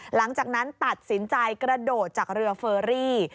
หลังจากนั้นตัดสินใจกระโดดจากเรือเฟอรี่